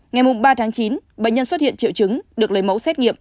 ngày ba chín bệnh nhân xuất hiện triệu chứng được lấy mẫu xét nghiệm